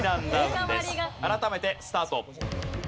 改めてスタート。